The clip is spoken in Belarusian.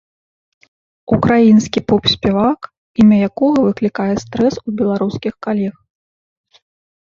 Украінскі поп-спявак, імя якога выклікае стрэс у беларускіх калег.